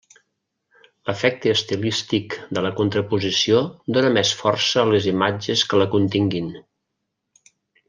L'efecte estilístic de la contraposició dóna més força a les imatges que la continguin.